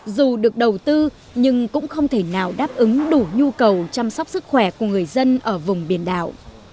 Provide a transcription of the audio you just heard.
dù được đầu tư nhưng cũng không thể nào đáp ứng đủ nhu cầu chăm sóc sức khỏe của người dân ở vùng biển đảo